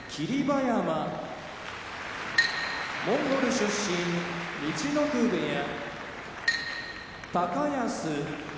馬山モンゴル出身陸奥部屋高安